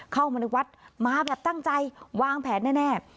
เข้ามาในวัดมาแบบตั้งใจวางแผนแน่